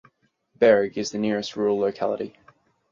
Bereg is the nearest rural locality.